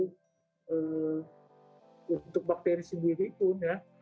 oleh karena itu untuk bakteri sendiri pun ya